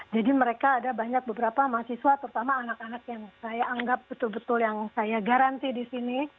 jadi mereka ada banyak beberapa mahasiswa terutama anak anak yang saya anggap betul betul yang saya garanti di sini